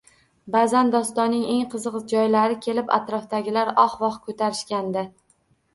Baʼzan dostonning eng qiziq joylari kelib, atrofdagilar «oh-voh» koʼtarishganda